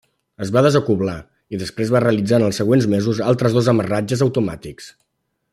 Es va desacoblar i després va realitzar en els següents mesos altres dos amarratges automàtics.